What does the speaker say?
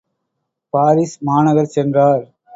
Paris மாநகர் சென்றார்.